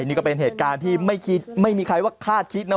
นี่ก็เป็นเหตุการณ์ที่ไม่มีใครว่าคาดคิดนะ